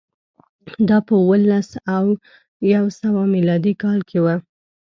دا په اووه لس او یو سوه میلادي کال کې و